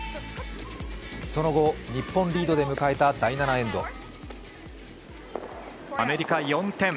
その後、日本リードで迎えた第７エンド。